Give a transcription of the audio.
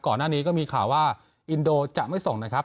ก่อนหน้านี้ก็มีข่าวว่าอินโดจะไม่ส่งนะครับ